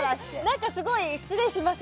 何かすごい失礼します